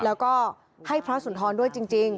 แล้วก็ให้พระสุนทรด้วยจริง